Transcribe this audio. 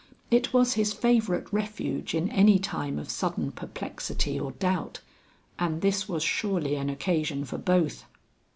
It was his favorite refuge in any time of sudden perplexity or doubt, and this was surely an occasion for both.